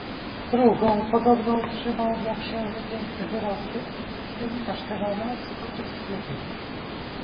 "Drugą podobną trzymał dla księżny piękny wyrostek, syn kasztelana sochaczewskiego."